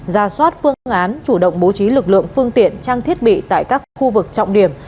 ra soát phương án chủ động bố trí lực lượng phương tiện trang thiết bị tại các khu vực trọng điểm